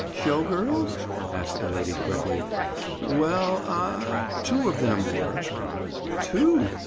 "Show girls?" asked the lady quickly. "Well—ah!—two of them were." "Two?